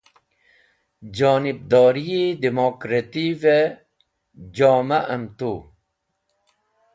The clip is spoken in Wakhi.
Jonibdor-e dimokrativi-e joma’m tu.